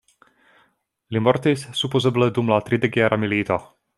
Li mortis supozeble dum la tridekjara milito.